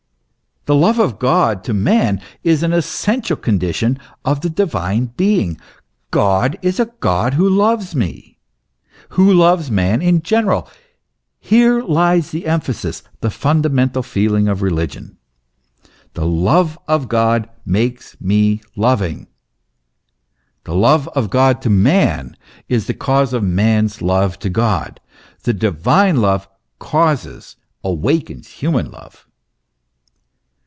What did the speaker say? The love of God to man is an essential condition of the divine Being : God is a God who loves me who loves man in general. Here lies the emphasis, the fundamental feeling of religion. The love of God makes me loving ; the love of God to man is the cause of man's love to God ; the divine love causes, awakens human love.